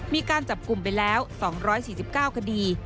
มีการจับกลุ่มไปแล้ว๒๔๙คดี